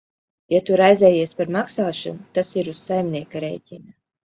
Ja tu raizējies par maksāšanu, tas ir uz saimnieka rēķina.